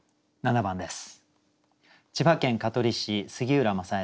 ７番です。